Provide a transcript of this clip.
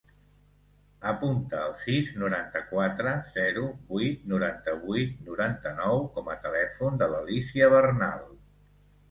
Apunta el sis, noranta-quatre, zero, vuit, noranta-vuit, noranta-nou com a telèfon de l'Alícia Bernal.